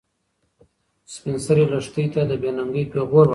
سپین سرې لښتې ته د بې ننګۍ پېغور ورکړ.